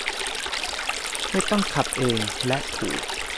ไม่ต้องขับเอง และถูก